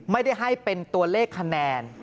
ไม่ได้ให้เป็นตัวเลขคะแนน